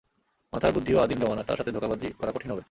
মাথার বুদ্ধিও আদিম জামানার, তার সাথে ধোঁকাবাজি করা কঠিন হবে।